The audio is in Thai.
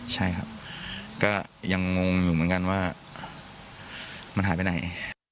ใช่ครับก็ยังงงอยู่เหมือนกันว่ามันหายไปไหน